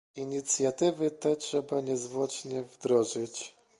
Inicjatywy te trzeba niezwłocznie wdrożyć